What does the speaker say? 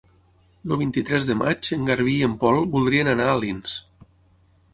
El vint-i-tres de maig en Garbí i en Pol voldrien anar a Alins.